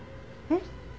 えっ？